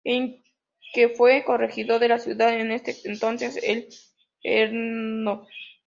El que fue corregidor de la ciudad en ese entonces, el Hno.